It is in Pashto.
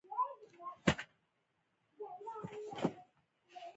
د پیرودونکي مننه د باور پیاوړتیا ده.